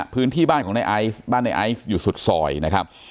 พื้นที่บ้านของในไอซ์บ้านในไอซ์อยู่สุดซอยนะครับ